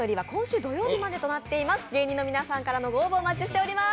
芸人の皆さんからのご応募をお待ちしています。